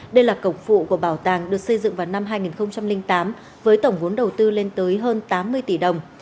đây là cổng phụ của bảo tàng được xây dựng vào năm hai nghìn tám với tổng vốn đầu tư lên tới hơn tám mươi tỷ đồng